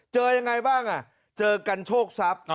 ยังไงบ้างเจอกันโชคทรัพย์